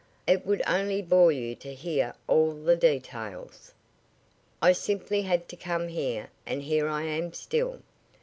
It would only bore you to hear all the details. I simply had to come here, and here I am still.